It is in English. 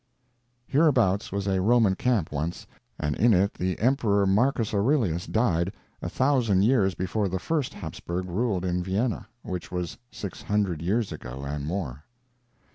Hereabouts was a Roman camp, once, and in it the Emperor Marcus Aurelius died a thousand years before the first Habsburg ruled in Vienna, which was six hundred years ago and more.